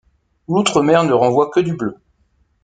L'outremer ne renvoie que du bleu.